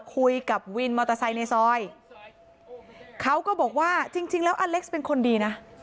คุยกับวินมอเตอร์ไซค์ในซอยเขาก็บอกว่าจริงแล้วอเล็กซ์เป็นคนดีนะ